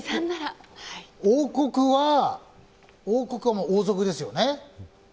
王国はもう王族ですよね。